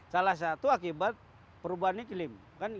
salah satu akibat perubahan iklim